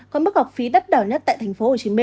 có mức học phí đắt đỏ nhất tại tp hcm